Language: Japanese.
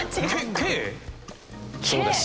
そうです。